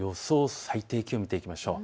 最低気温を見ていきましょう。